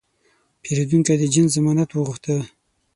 پیرودونکی د جنس ضمانت وغوښته.